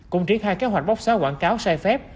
cũng triển khai kế hoạch bóc xóa quảng cáo sai phép